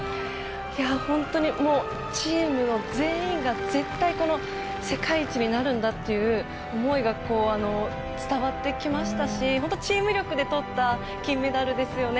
本当にチームの全員が絶対世界一になるんだという思いが伝わってきましたし本当、チーム力でとった金メダルですよね。